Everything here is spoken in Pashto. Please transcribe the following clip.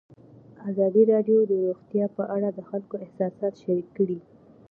ازادي راډیو د روغتیا په اړه د خلکو احساسات شریک کړي.